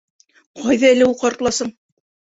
Ҡайҙа әле ул ҡартласың?